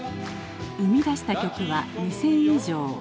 生み出した曲は２，０００以上。